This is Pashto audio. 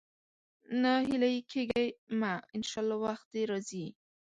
ناهيلی کېږه مه، ان شاءالله وخت دې راځي.